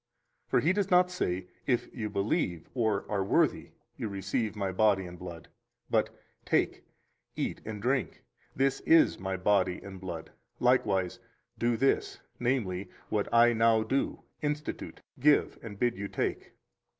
For He does not say: If you believe or are worthy, you receive My body and blood, but: Take, eat and drink; this is My body and blood. Likewise: Do this (namely, what I now do, institute, give, and bid you take).